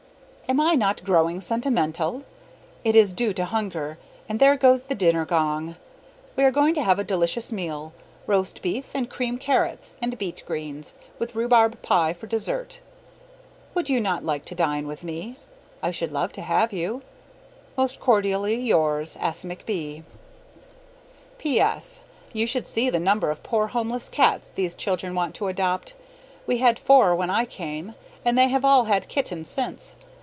Am I not growing sentimental? It is due to hunger and there goes the dinner gong! We are going to have a delicious meal: roast beef and creamed carrots and beet greens, with rhubarb pie for dessert. Would you not like to dine with me? I should love to have you. Most cordially yours, S. McB. P.S. You should see the number of poor homeless cats that these children want to adopt. We had four when I came, and they have all had kittens since.